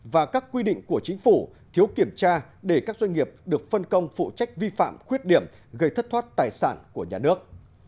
và các quy định của chính phủ thiếu kiểm tra để các doanh nghiệp được phân công phụ trách vi phạm khuyết điểm gây thất thoát tài sản của nhà nước